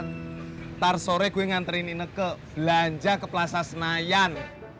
ntar sore gue nganterin ine ke belanja ke plaza senayan